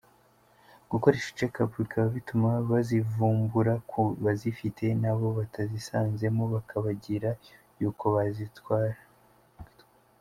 Gukoresha checkup bikaba bituma bazivumbura ku bazifite n’abo batazisanzemo bakabagira y’uko bakwitwara.